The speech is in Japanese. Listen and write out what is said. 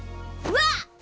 うわ！